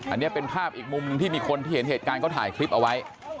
อันนี้เป็นภาพอีกมุมที่มีคนที่เห็นเหตุการณ์เขาถ่ายคลิปเอาไว้